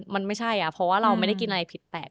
มันไม่ใช่เพราะว่าเราไม่ได้กินอะไรผิดแปลก